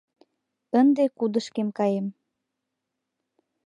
Ынде кудышкем каем.